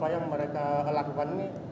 yang mereka lakukan ini